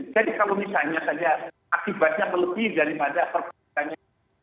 jadi kalau misalnya saja akibatnya melebih daripada perpengaruhannya